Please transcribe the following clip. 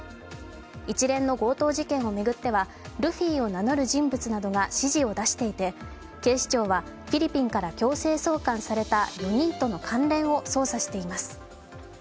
一連の強盗事件を巡ってはルフィを名乗る人物などが指示を出していて警視庁はフィリピンから強制送還された４人との関連を捜査しています。